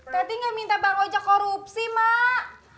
tadi nggak minta bank wajah korupsi mak